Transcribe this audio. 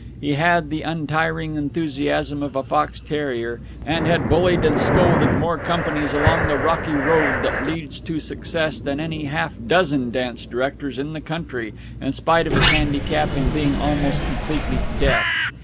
He had the untiring enthusiasm of a fox terrier, and had bullied and scolded more companies along the rocky road that leads to success than any half dozen dance directors in the country, in spite of his handicap in being almost completely deaf.